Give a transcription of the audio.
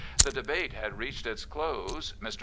The debate had reached its close. M[r.